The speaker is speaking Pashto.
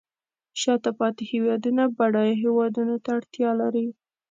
شاته پاتې هیوادونه بډایه هیوادونو ته اړتیا لري